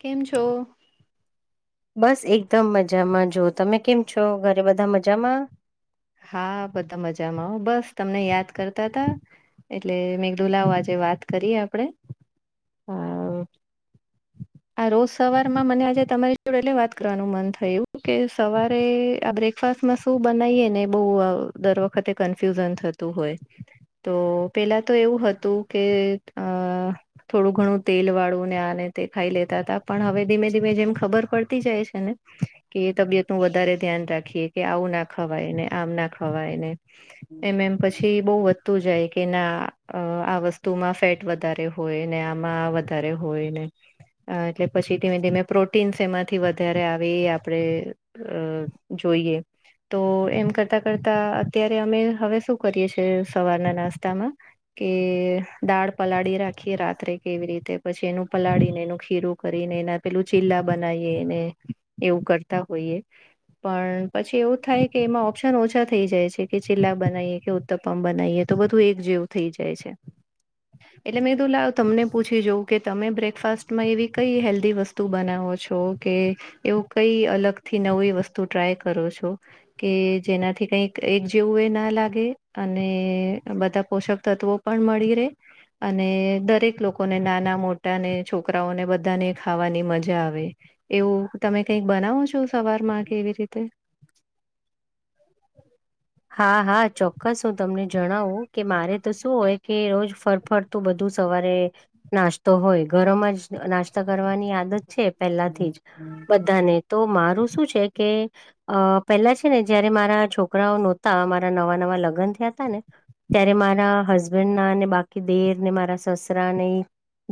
કેમ છો? બસ, એકદમ મજામાં. જો, તમે કેમ છો? ઘરે બધા મજામાં? હા, બધા મજામાં. બસ, તમને યાદ કરતા હતા. એટલે મેદુલાઓ, આજે વાત કરીએ આપણે, હા. હમ.. [inaudible] આ રોજ સવારમાં મને આજે તમારી જોડે એટલે વાત કરવાનું મન થયું, કે સવારે આ ફરસાણમાં શું બનાવીએ ને, બઉ અ દર વખતે કન્ફ્યુઝન થતું હોય. તો પહેલાં તો એવું હતું કે અ. થોડું ઘણું તેલવાળું ને, આને તે ખાઈ લેતા હતા. પણ હવે ધીમે ધીમે જેમ ખબર પડતી જાય છે ને. કે એ તબિયતનું વધારે ધ્યાન રાખીએ, કે આવું ન ખવાય ને, આમ ન ખવાય ને. એમ એમ પછી બઉ વધતું જાય કે ના, આ વસ્તુ મા ફેટ. વધારે હોય ને, આમાં વધારે હોય ને. એ, એટલે પછી ધીમે ધીમે પ્રોટીનશ એમાંથી વધારે આવે ઇ આપણે. અ, જોઈએ તો એમ કર. કરતાં કરતાં અત્યારે અમે હવે શું કરીએ છીએ, સવારના નાસ્તામાં? કે દાળ પલાળી રાખીએ રાત્રે, કેવી રીતે? પછી એનું પલાળીને એનું ખીરું કરીને એના પેલું ચીલા બનાવીએ ને, એવું કરતા હોઈએ. પણ પછી એવું થાય કે એમાં ઓપ્શન ઓછા થઈ જાય છે કે ચીલા બનાવીએ કે ઉત્તપમ બનાવીએ, તો બધું એક જેવું થઈ જાય છે. [unintelligible] એટલે મેં તો તમને લાવ પૂછું જાઉં કે તમે બ્રેકફાસ્ટમાં એવી કઈ હેલ્ધી વસ્તુ બનાવો છો કે એવું કંઈ અલગથી નવી વસ્તુ ટ્રાય કરો છો કે જેનાથી કંઈક એક જેવું ના લાગે અને બધાં તત્વો પણ મળી રે. અને દરેક લોકોને, નાના-મોટા ને છોકરાઓને, બધાને ખાવાની મજા આવે. એવું તમે કંઈક બનાવો છો સવારમાં, કે એવી રીતે? હા, હા, ચોક્કસ હું તમને જણાવું કે મારે તો શું હોય કે રોજ ફરફર તું બધું સવારે નાસ્તો હોય, ઘરમાં જ નાસ્તો કરવાની આદત છે પહેલાથી જ. બધાને તો મારું શું છે કે અહ પહેલાં છે ને, જ્યારે મારા છોકરાઓ નહોતા, મારા નવા નવા લગ્ન થયા હતા ને ત્યારે મારા હસબન્ડના ને બાકી દિયર ને મારા સસરા ને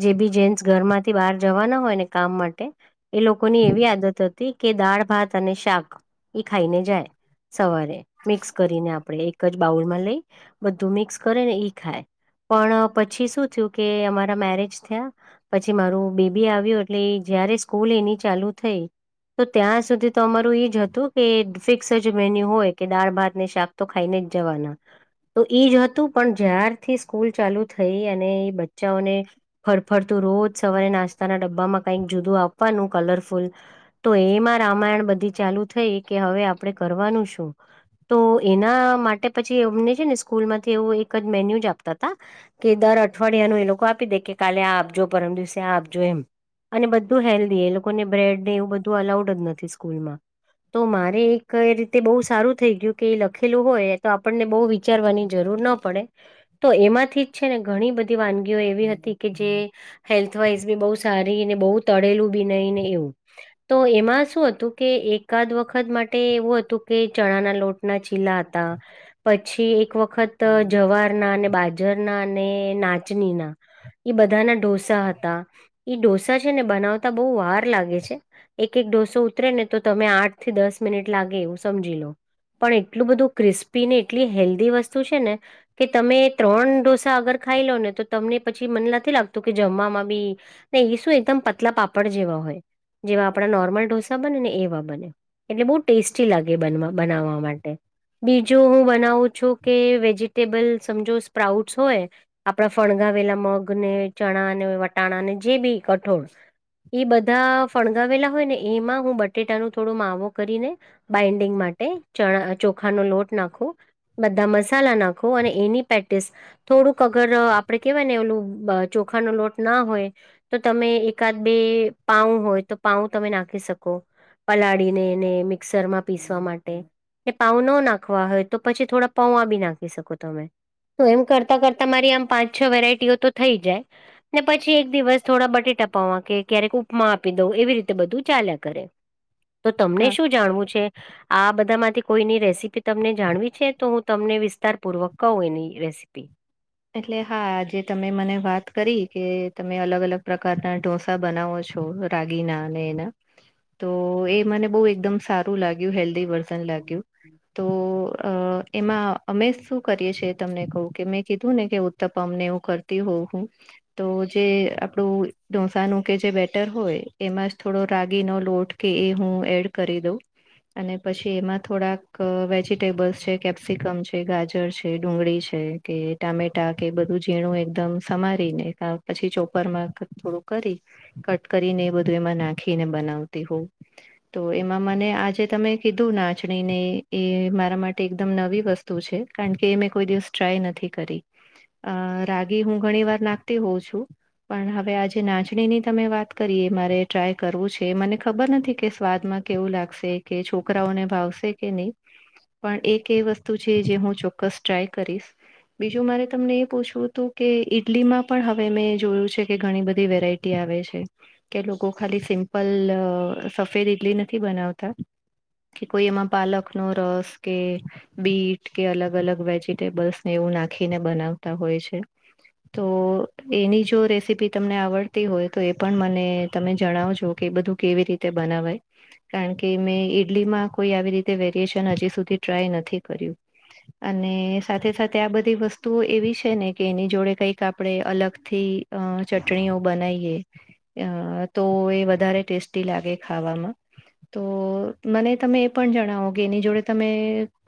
જે બી જેન્ટ્સ ઘરમાંથી બહાર જવાના હોય ને, કામ માટે, એ લોકોની એવી આદત હ તી કે દાળ-ભાત અને શાક એ ખાઈને જાય સવારે, મિક્સ કરીને આપડે એક જ બાઉલમાં લઈ બધું મિક્સ કરે ને, ઈ ખાય. પણ પછી શું થયું કે અમારા મેરેજ થયા પછી મારું બેબી આવ્યું, એટલે જ્યારે સ્કૂલ એની ચાલુ થઈ તો ત્યાં સુધી તો અમારું એ જ હતું કે ફિક્સ જ મેન્યુ હોય કે દાળ ભાત ને શાક તો ખાઈને જ જવાના. તો એ જ હતું, પણ ચાલુ થઈ અને એ બચ્ચા ઓને ફરફરતું રોજ સવારે નાસ્તાના ડબ્બામાં કઈક જુદું આપવાનું કલરફુલ તો એમાં રામાયણ બધી ચાલુ થઈ કે હવે આપડે કરવાનું શું? તો એના માટે પછી અમને છે ને સ્કૂલ માંથી એવુ એક જ મેન્યુ જ આપતા તા કે દર અઠવાડિયાનું એ લોકો આપી દે કે કાલે આ આપજો પરમ દિવસે આ આપજો એમ. અને બધું હેલ્ધી એ લોકોને બ્રેડ ને એવું બધું અલાઉડ જ નથી સ્કૂલમાં. તો મારે એક રીતે બહુ સારું થઈ ગયું કે એ લખેલું હોય તો આપણને બહુ વિચારવાની જરૂર ન પડે. તો એમાંથી છે ને બધી વાનગીઓ એવી હતી કે જે હેલ્થવાઈઝ બી બહુ સારી ને બહુ તળેલું બી નઈ ને એવું. તો એમાં શું હતું કે એકાદ વખત માટે એવું હતું કે ચણા ના લોટના છીલા હતા પછી એક વખત જવારના અને બાજરના અને નાચનીના એ બધાના ઢોસા હતા. ઈ ઢોસા છે ને બનાવતા બહુ વાર લાગે છે એક એક ઢોસો ઉતરે ને તો તમે આઠ દસ મિનિટ લાગે એવું સમજી લો. પણ એટલું બધું ક્રિસ્પી ને એટલી હેલ્ધી વસ્તુ છે ને કે તમે ત્રણ ઢોસા અગર ખાઈ લો ને તો તમને પછી મને નથી લાગતું કે જમવામાં બી ને એ શું એકદમ પતલા પાપડ જેવા હોય જેવા આપડા નોર્મલ ઢોસા બને ને એવા બને. એટલે બહુ ટેસ્ટી લાગે બનવા બનાવવા માટે. બીજું હું બનાવું છું કે વેજીિટેબલ સમજો સ્પ્રાઉટ્સ હોય આપડા ફણગાવેલા મગ ને ચણા ને વટાણાને જે બી કઠોળ ઈ બધા ફણગાવેલા હોય ને એમાં હું બટેટા ન થોડો માવો કરી ને બાઈન્ડિંગ માટે ચણા અહ ચોખા નો લોટ નાખું બધા મસાલા નાખો અને એની પે્ટિસ થોડુંક અગર અહ આપડે કેવાય ને એલું બ ચોખાનો લોટ ના હોય તો તમે એકાદ બે પાઉ હોય તો પાઉ તમે નાખી શકો. પલાળીને એને મિક્સર માં પીસવા માટે. એ પાઉ ન નાખવા હોય તો પછી થોડા પૌવા બી નાખી શકો તમે. તો એમ કરતાં કરતા મારી પાંચ છ વેરાયટી તો થઈ જાય. ને પછી દિવસ થોડા બટેટા પવા કે ક્યારેક ઉપમા આપી દઉં એવી રીતે બધું કરે. [inaudible] તો તમને શું જાણવું છે? આ બધા માંથી કોઈની રેસીપી તમને જાણવી છે તો હું તમને વિસ્તાર પૂર્વક કહું એની રેસીપી. એટલે હા આજે તમે મને વાત કરી કે તમે અલગ અલગ પ્રકારના ઢોસા બનાવો છો રાગીના અને એના. તો એ મને બહુ એકદમ સારું લાગ્યું હેલ્ધી વર્ તો, એમાં અમે શું કરીએ છી તમને કહ કે મે કીધું ને કે ઉત્તપ અમને એવું કરતી હોવ હું.. તો જે આપણું ઢોસાનું કે જે બેટર હોય એમાં જ થોડો રાગીનો લોટ. કે એ હું એડ કરી દઉં. અને પછી એમાં થોડાક વેજીિટેબલ્સ છે કેપ્સિકમ છે ગાજર છે ડુંગળી છે. કે ટામેટા બધું ઝીણું એકદમ પછી ચોપરમાં થોડું કરી. કટ કરીને એ બધું એમાં નાખીને બનાવતી હોઉ. તો એમાં મને આજે તમે કીધું નાચણી ને એ મારા માટે એકદમ નવી વસ્તુ કારણ કે એ મે કોઈ દિવસ ટ્રાય નથી કરી. અ રાગી ઘણી વાર નાખતી છું. પણ હવે આજે નાચણીની તમે વાત કરીએ મારે ટ્રાય કરવું છે મને ખબર નથી કે સ્વાદમાં લાગશે છોકરાઓને ભાવશે કે નહી. પણ એક વસ્તુ છે હું ચોક્કસ ટ્રાય કરીશ. બીજું મારે તમને એ પૂછવું હતું કે ઈડલીમાં પણ હવે મેં જોયું છે કે ઘણી બધી વેરાયટી આવે છે. કે એ લોકો ખાલી સિમ્પલ સફેદ ઈડલી નથી બનાવતા. કે કોઈ એમા પાલકનો રસ કે બીટ કે અલગ અલગ વેજીટેબલ્સને એવું નાખીને બનાવતા હોય છે. તો એની જો રેસીપી તમને આવડતી હોય તો એ પણ મને તમે જણાવજો કે બધું કેવી રીતે બનાવાય, કારણ કે મે ઈડલીમાં કોઈ આવી રીતે વેરિએેશન હજી સુધી ટ્રાય નથી કર્યું, અને સાથે સાથે આ બધ ઈ વસ્તુઓ એવી છે ને કે એની જોડે કઈક આપણે અલગ થી અ ચટણીઓ બનાવીએ. અ તો એ વધારે ટેસ્ટી લાગે ખાવામાં. તો મને તમે એ પણ જણાવો કે એની જોડે તમે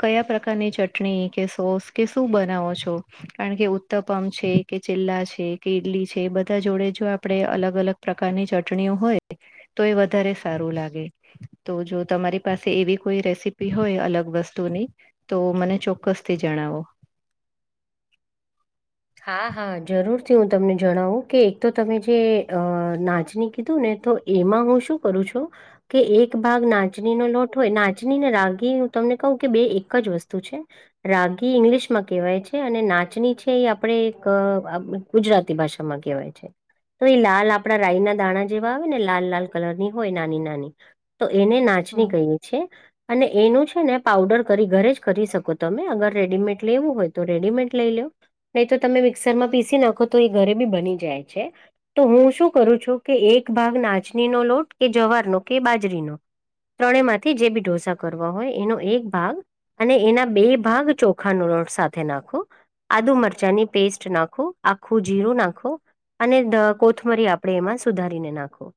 કયા પ્રકારની ચટ ટણી સોસ કે શું બનાવો? છો કારણ કે ઉતપમ છે કે ચેલા છે કે ઈડલી છે બધા જોડે જો આપડે અલગ અલગ પ્રકારની ચટણીઓ હોય, તો એ વધારે સારું લાગે. તો જો તમારી પાસે એવી કોઈ રેસીપી હોય અલગ વસ્તુની. તો મને ચોક્કસથી જણાવો. હા હા જરૂરથી હું તમને જણાવું કે એક તો તમે જે અ નાચણી કીધું ને તો એમાં હું શું કરું છું. કે એક ભાગ નાચનીનો લોટ હોય નાચની ને રાગી હું તમને કહું કે બે એક જ વસ્તુ છે. રાગી ઈંગ્લિશમાં કહેવાય છે અને નાચની છે છે એ આપણે એક ગુજરાતી ભાષામાં કહેવાય છે. તો એ લાલ આપણા રાયના દાણા જેવા આવે ને લાલ લાલ કલર ની હોય નાની નાની. તો એને નાચની હમ કહીએ છીએ. અને એનું છે ને પાવડર કરી ઘરે જ કરી શકો તમે અગર રેડીમેડ લેવું હોય તો રેડીમેડ લઈ લ્યો. નહી તો તમે મિક્સરમાં પીસી નાખો તો એ ઘરે બી બની જાય છે. તો હું શું કરું છું કે એક ભાગ નાચનીનો લોટ કે જવારનો કે બાજરીનો. ત્રણેયમાંથી જે બી ઢોસા કરવા હોય એનો એક ભાગ. અને એના બે ભાગ ચોખાનો લોટ સાથે નાખુ, આદુ મર ચાની પેસ્ટ નાખુ આખું જીરું નાખુ. અને કોથમરી આપણે એમાં સુધારીને નાખો.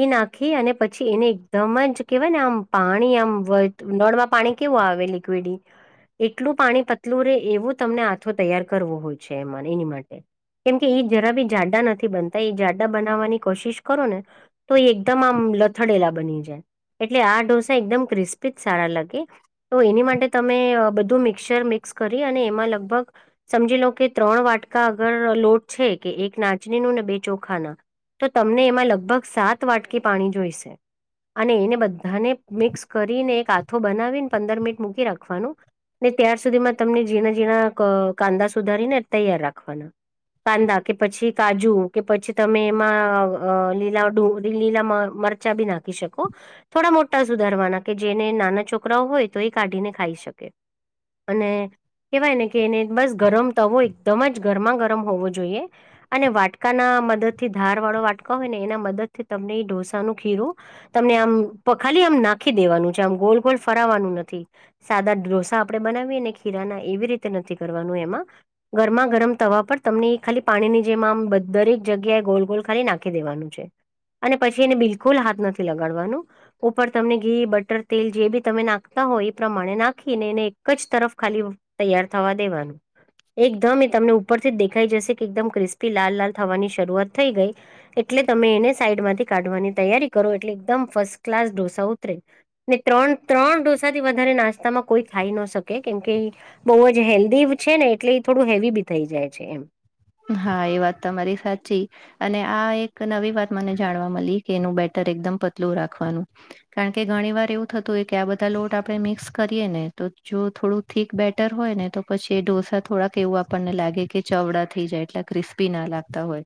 એ નાખી અને પછી એને એકદમ જ કેવાયને આમ પાણી આમ નળમાં પાણી કેવું આવે લિક્વિડી, એટલું પાણી પતલું રે એવું તમને આથો તૈયાર કરવો હોય છે એમાંને એની માટે. કેમ કે એ જરા બી જાડા નથી બનતા એ જાડા બનાવવાની કોશિશ કરો ને. તો એ એકદમ આમ લથડેલા બની જાય. એટલે આ ઢોસા એકદમ ક્રિસ્પી જ સારા લાગે. તો એની માટે તમે બધું મિક્સર મિક્સ કરી અને એમાં લગભગ સમજી લો કે ત્રણ વાટકા આગળ લોટ છે કે એક નાચનીનું ને બે ચોખાના. તો તમને એમાં લગભગ સાત વાટકી પાણી જોઈશે. અને એને બધાને મિક્સ કરીને એક આથો બનાવીને પંદર મિનિટ મૂકી રાખવાનું. ને ત્યાર સુધીમાં તમને ઝીણા ઝીણા ક કાંદા સુધારી ને તૈયાર રાખવાના. કાંદા કે પછી કાજુ કે પછી તમે એમાં અ લીલા ડુંગળી લીલા મર ચા બી નાખી શકો. થોડા મોટા સુધારવાના કે જેને નાના છોકરાઓ હોય તો એ કાઢીને ખાઈ શકે. અને, કેવાય ને કે એને બસ ગરમ તવો એકદમ જ ગરમા ગરમ હોવો જોઈએ. અને વાટકાના મદદ થી ધાર વાળો વાટકો હોય ને એના મદદથી તમને એ ઢોસાનું ખીરું. તમને આમ ખાલી આમ નાખી દેવાનું છે. આમ ગોલ ગોલ ફરાવાનું નથી. સાદા ઢોસા આપડણે બનાવીએ ને ખીરાના એવી રીતે નથી કરવાનું એમાં. ગરમા ગરમ તવા પર તમને ખાલી પાણીની જેમ આમ દરેક જગ્યાએ ગોલ ગોલ ખાલી નાખી દેવાનું છે. અને પછી એને બિલકુલ હાથ નથી લગાડવાનું. ઉપર તમને ઘી બટર તેલ જે બી તમે નાખતા હોય એ પ્રમાણે નાખીને એને એક જ તરફ ખાલી તૈયાર થવા દેવાનું. એકદમ એ તમને ઉપરથી જ દેખાઈ જશે કે એકદમ ક્રિસ્પી લાલ લાલ થવાની શરૂઆત થઈ ગઈ. એટલે તમે એને સાઈડમાંથી કાઢવાની તૈયારી કરો એટલે એકદમ ફર્સ્ટ ક્લાસ ઢોસા ઉતરે. ને ત્રણ ત્રણ ડોસાથી વધારે નાસ્તામાં કોઈ ન કેમકે, બહુ જ હેલ્થ દીવ છે ને એટલે એ થોડું હેવી બી થઈ જાય છે એમ. હા એ વાત તમારી સાચી. અને આ એક નવી વાત મને જાણવા મળી કે એનું બેટર એકદમ પતલું રાખવાનું. કારણ કે ઘણી વાર એવું થતું હોય કે આ બધા લોટ આપે મિક્સ કરીએ ને તો જો થોડું ઠીક બેટર હોય ને તો પછી એ ઢોસા થોડાક એવું આપણને લાગે કે ચવડા થઈ જાય એટલે ક્રિસ્પી ના લાગતા હોય.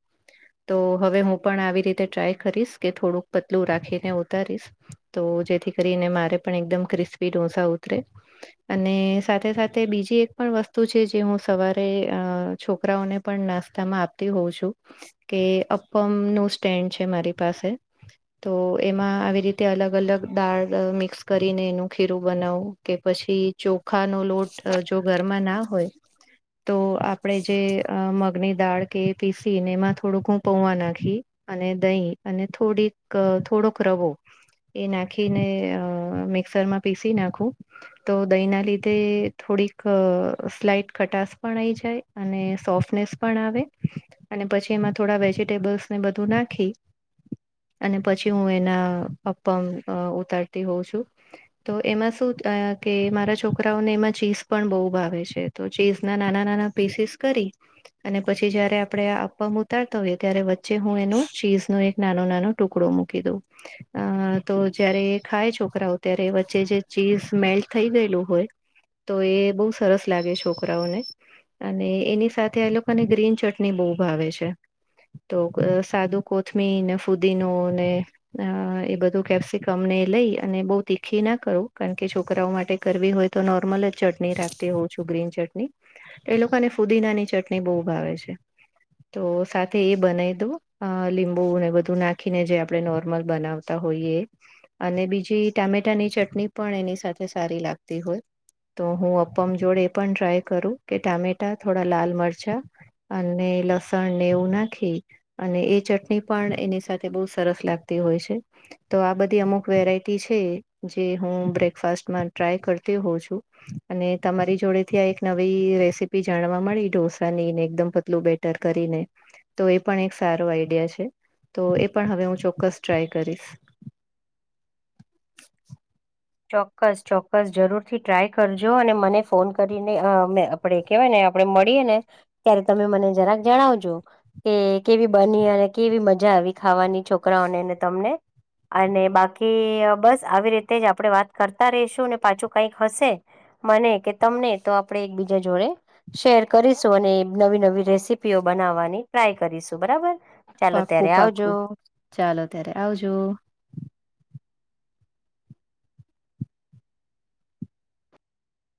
તો હવે હું પણ આવી રીતે ટ્રાય કરીશ કે થોડુંક પતલું રાખીને ઉતારીશ. તો જેથી કરીને મારે પણ એકદમ ક્રિસ્પી ઢોસા ઉતરે. અને સાથે સાથે બીજી એક પણ વસ્તુ છે જે હું સવારે અ છોકરાઓને પણ નાસ્તામાં આપતી હોઉ છું, કે અપ્પમ નું સ્ટેન્ડ છે મારી પાસે. તો એમાં આવી રીતે અલગ અલગ દાળ મિક્સ કરીને એનું ખીરું બનાવું કે પછી ચોખા નો લોટ જો ઘરમાં ના હોય તો આપણેે જે- અ મગની દાળ કે પીસીને એમાં થોડુંક હું પૌવા નાખી અને દહીં અને થોડીક થોડોક રવો એ મિક્સરમાં નાખું તો દહી ના લીધે થોડીક સ્લાઈટ ખટાસ પણ આઈ જાય અને સોફનેસ પણ આવે અને પછી એમાં થોડા વેજીટેબલ્સ ને બધું નાખી અને પછી હું એના અપ્પમ ઉતારતી હોઉં છું તો એમાં શું કે મારા છોકરાઓને એમાં ચીઝ પણ બહુ ભાવે છે. તો ચીઝ ના નાના નાના પીસીસ કરી અને પછી જયારે આપડણે આ આપવામાં ઉતારતા હોઈએ ત્યારે વચ્ચે હું એનું ચીઝ ન એક નાનો નાનો- ટુકડો મૂકી દઉં અ તો જયારે એ ખાય છોકરાઓ ત્યારે વચ્ચે જે ચીઝ મેલ્ટ થઈ ગયેલું હોય તો એ બહુ સરસ લાગે છોકરાઓને અને એની સાથે ત્યાં એ લોકોને ગ્રીન ચટણી બહુ ભાવે છે. તો સાદુ કોથમીર ને ફુદીનો ને અ એ બધું કેપ્સિકમને લઈ અને બઉ તીખી ના કરું કારણ કે છોકરાઓ માટે કરવી હોય તો નોર્મલ જ ચટણી રાખતી હોઉં છું ગ્રીન ચટણી એ લોકોને ફુદીનાની ચટણી બહુ ભાવે છે. તો સાથે એ બનાવી દઉ લીંબુને બધું નાખીને જે આપડણે નોર્મલ બનાવે હોએ અને બીજી ટામેટાની ચટણી પણ એની સાથે સારી લાગતી હોય તો હું અપ્પમ જોડે એ પણ ટ્રાય કરું કે ટામેટા થોડા લાલ મરચા અને લસણ નેવું નાખી અને એ ચટણી એની સાથે બહુ સરસ લાગતી હોય છે તો આ બધી અમુક વેરાયટી છે જે હું બ્રેકફાસ્ટમાં ટ્રાય કરતી હોઉં છું. અને તમારી જોડે થી આ એક નવી રેસીપી જાણવા મળી ઢોસા ને એકદમ પતલું બેટર કરીને- તો એ પણ એક સારો આઈડિયા છે તો એ પણ હવે હું ચોક્કસ ટ્રાય કરીશ ચોક્કસ ચોક્કસ જરૂરથી ટ્રાય કરજો અને મને ફોન કરીને [inaudible] પણ એ કેહેવાયને આપડે મળીએ ને ત્યારે મને જરાક જણાવજો કે કેવી બની અને કેવી મજા આવી ખાવાની છોકરાઓનેને તમને અને બાકી બસ આવી રીતે જ આપણે વાત કરતા રહીશું ને પાછું કઈક હશે મને કે તમને તો આપડે એકબીજા જોડે શેર કરીશું અને નવી નવી રેસીપીઓ બનાવવાની ટ્રાય કરીશું બરાબર ચાલો પાકું ત્યારે આવજો પાકું ચાલો ત્યારે આવજો